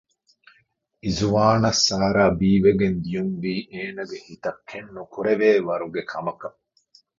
އިޒުވާނަށް ސާރާ ބީވެގެން ދިޔުންވީ އޭނަގެ ހިތަށް ކެތްނުކުރެވޭވަރުގެ ކަމަކަށް